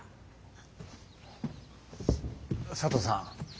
佐藤さん